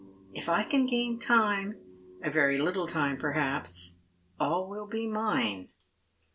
If I can gain time — a very little time, perhaps — all will be mine."